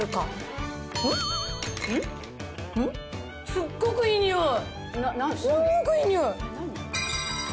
すごくいいにおい！